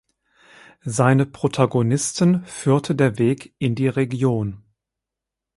Seine Protagonisten führte der Weg in die Region.